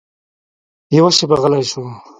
يوه شېبه غلى سو.